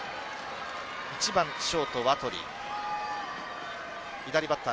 １番ショート、ワトリー。